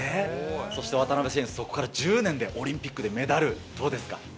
そして渡辺選手、そこから１０年でオリンピックでメダル、どうですか？